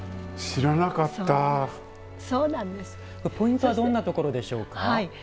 ポイントはどんなところでしょうか？